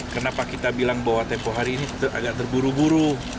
kenapa kita bilang bahwa tempoh hari ini agak terburu buru